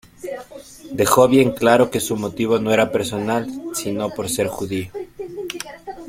Dejó bien claro que su motivo no era personal, sino por ser judío.